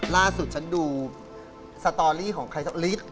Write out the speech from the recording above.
ล่าสุดฉันดูสตอรี่ของใครสักลิด